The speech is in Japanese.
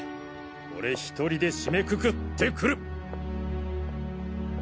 俺１人で締めくくってくる。